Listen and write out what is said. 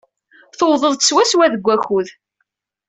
Tewwḍeḍ-d swaswa deg wakud.